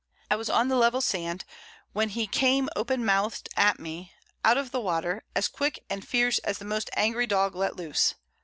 I was on the level Sand when he came open mouth'd at me out of the Water, as quick and fierce as the most angry Dog let loose.